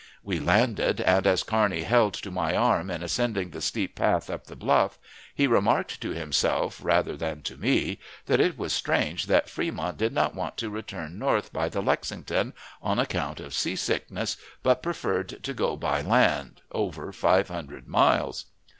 We landed, and, as Kearney held to my arm in ascending the steep path up the bluff, he remarked to himself, rather than to me, that it was strange that Fremont did not want to return north by the Lexington on account of sea sickness, but preferred to go by land over five hundred miles.